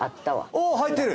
おぉ入ってる！